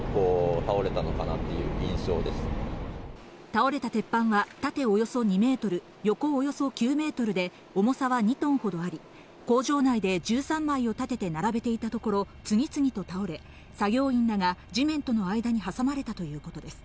倒れた鉄板は、縦およそ２メートル、横およそ９メートルで、重さは２トンほどあり、工場内で１３枚を立てて並べていたところ、次々と倒れ、作業員らが地面との間に挟まれたということです。